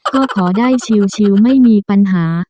ก็ขอได้ชิวไม่มีปัญหา